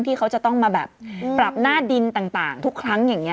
ที่เขาจะต้องมาแบบปรับหน้าดินต่างทุกครั้งอย่างนี้